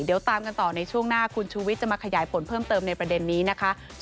เดี๋ยวตามกันต่อในช่วงหน้าคุณชูวิทย์จะมาขยายผลเพิ่มเติมในประเด็นนี้นะคะ